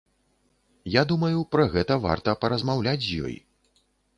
Я думаю, пра гэта варта паразмаўляць з ёй.